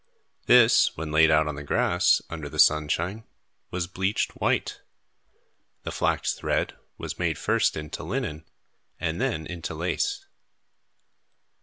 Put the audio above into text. This, when laid out on the grass, under the sunshine, was bleached white. The flax thread was made first into linen, and then into lace.